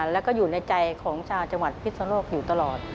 แล้วก็อยู่ในใจของชาวจังหวัดพิศนโลกอยู่ตลอด